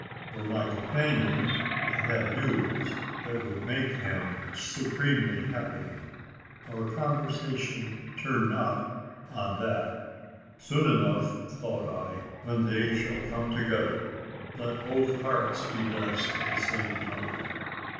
For my companion, I had news that would make him supremely happy. Our conversation turned not on that. "Soon enough," thought I, "when they shall come together. Let both hearts be blessed at the same time."